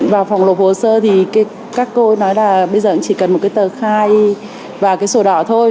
vào phòng lộp hồ sơ thì các cô nói là bây giờ cũng chỉ cần một cái tờ khai và cái sổ đỏ thôi